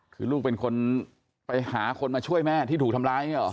คือลูกเป็นคนไปหาคนมาช่วยแม่ที่ถูกทำร้ายอย่างนี้หรอ